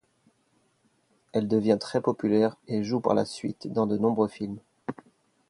Elle devient très populaire et joue par la suite dans de nombreux films.